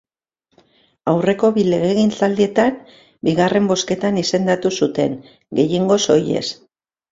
Aurreko bi legegintzaldietan bigarren bozketan izendatu zuten, gehiengo soilez.